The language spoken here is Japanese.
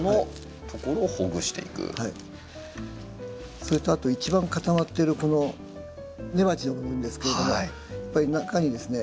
それとあと一番固まっているこの根鉢の部分ですけれどもやっぱり中にですね